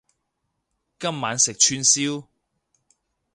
今晚食串燒